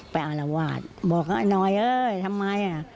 ไปอารวาสบอกว่าหน่อยทำไม